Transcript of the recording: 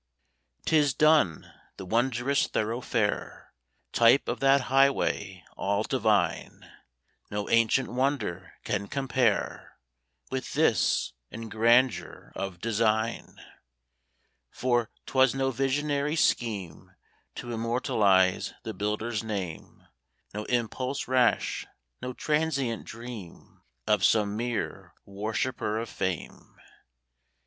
'Tis "Done" the wondrous thoroughfare Type of that Highway all divine! No ancient wonder can compare With this, in grandeur of design. For, 'twas no visionary scheme To immortalize the builder's name; No impulse rash, no transient dream Of some mere worshipper of Fame.